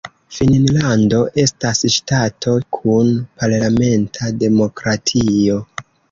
Finnlando estas ŝtato kun parlamenta demokratio.